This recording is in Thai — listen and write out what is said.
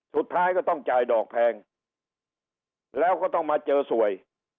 สุดท้ายก็ต้องจ่ายดอกแพงแล้วก็ต้องมาเจอสวย